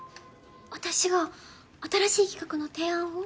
私が新しい企画の提案を？